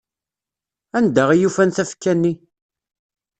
Anda i yufan tafekka-nni?